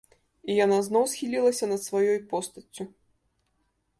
І яна зноў схілілася над сваёй постаццю.